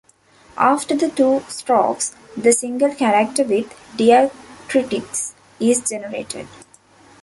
After the two strokes, the single character with diacritics is generated.